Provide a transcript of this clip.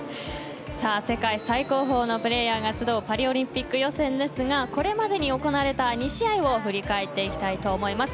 さあ、世界最高峰のプレーヤーが集うパリオリンピック予選ですがこれまでに行われた２試合を振り返っていきたいと思います。